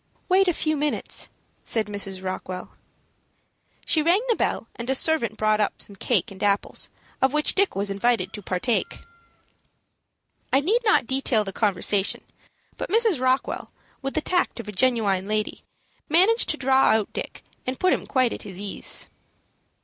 "Wait a few minutes," said Mrs. Rockwell. She rang the bell, and a servant brought up some cake and apples, of which Dick was invited to partake. I need not detail the conversation; but Mrs. Rockwell, with the tact of a genuine lady, managed to draw out Dick, and put him quite at his ease.